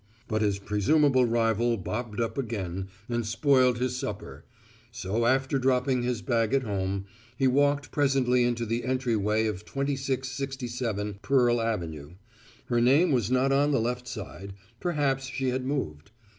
But his presumable rival bobbed up again and spoiled his supper, so after dropping his bag at home, he walked presently into the entry way of 2667 Pearl Avenue. Her name was not on the left side; perhaps she had moved.